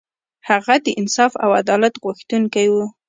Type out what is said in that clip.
هغه د انصاف او عدالت غوښتونکی و.